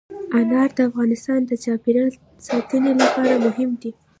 انار د افغانستان د چاپیریال ساتنې لپاره مهم دي.